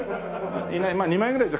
いない。